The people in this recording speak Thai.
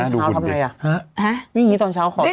แม่วิ่งเย็นตอนเช้าถ้าอะไรดี